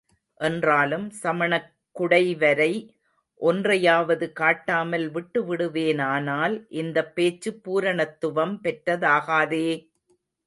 என்றாலும் சமணக் குடைவரை ஒன்றையாவது காட்டாமல் விட்டுவிடுவேனானால் இந்தப் பேச்சு பூரணத்துவம் பெற்றதாகாதே!